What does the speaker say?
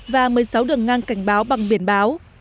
và một mươi sáu đường ngang cảnh báo bằng biển báo